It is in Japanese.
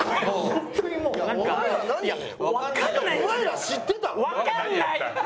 お前ら知ってたの？